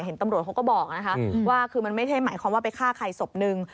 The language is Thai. เห็นตำรวจเขาก็บอกนะคะว่าคือมันไม่ได้หมายความว่าไปฆ่าใครศพนึง